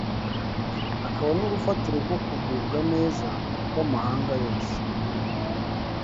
akaba n’urufatiro rwo kugubwa neza kw’amahanga yose